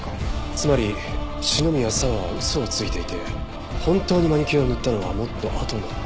つまり篠宮佐和は嘘をついていて本当にマニキュアを塗ったのはもっとあとの。